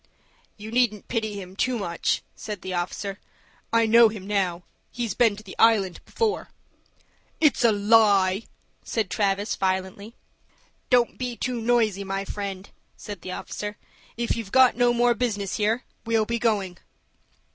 "You needn't pity him too much," said the officer. "I know him now. He's been to the Island before." "It's a lie," said Travis, violently. "Don't be too noisy, my friend," said the officer. "If you've got no more business here, we'll be going."